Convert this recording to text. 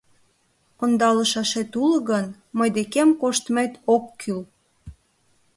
— Ондалышашет уло гын, мый декем коштмет ок кӱл.